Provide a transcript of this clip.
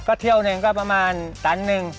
เที่ยวหนึ่งก็ประมาณตันหนึ่ง